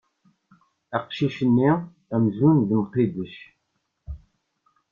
Aqcic-nni amzun d Mqidec.